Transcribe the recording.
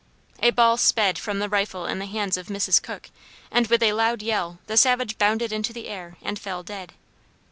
A ball sped from the rifle in the hands of Mrs. Cook, and with a loud yell the savage bounded into the air and fell dead.